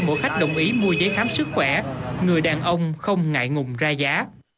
mỗi khách đồng ý mua giấy khám sức khỏe người đàn ông không ngại ngùng ra giá